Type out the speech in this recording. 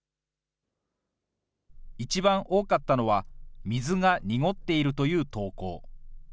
一番多かったのは、水が濁っているという投稿。